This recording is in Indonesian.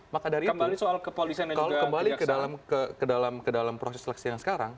maka dari kembali ke dalam proses seleksi yang sekarang